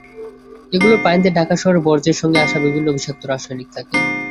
এগুলোর পানিতে ঢাকা শহরের বর্জ্যের সঙ্গে আসা বিভিন্ন বিষাক্ত রাসায়নিক থাকে।